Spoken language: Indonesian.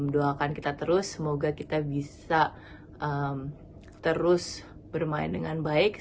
doakan kita terus semoga kita bisa terus bermain dengan baik